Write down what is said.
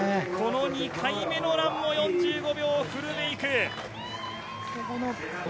２回目のランも４５秒フルメイク。